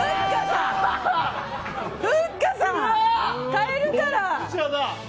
変えるから！